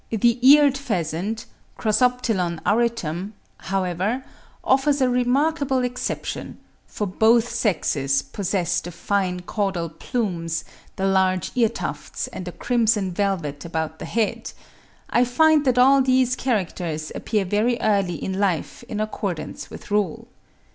The eared pheasant (Crossoptilon auritum), however, offers a remarkable exception, for both sexes possess the fine caudal plumes, the large ear tufts and the crimson velvet about the head; I find that all these characters appear very early in life in accordance with rule.